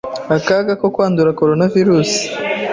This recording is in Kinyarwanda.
akaga ko kwandura Coronavirus